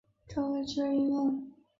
知道未来的趋势与应用